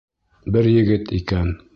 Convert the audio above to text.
Бер егет икән.